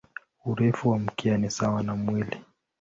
Urefu wa mkia ni sawa na mwili.